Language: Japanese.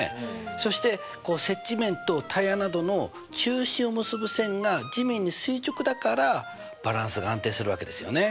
そして接地面とタイヤなどの中心を結ぶ線が地面に垂直だからバランスが安定するわけですよね。